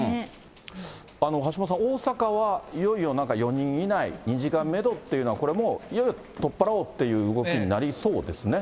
橋下さん、大阪は、いよいよ４人以内、２時間メドっていうのが、これもう、いよいよとっぱらおうという動きになりそうですね。